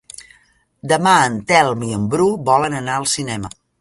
Demà en Telm i en Bru volen anar al cinema.